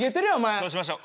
どうしましょう？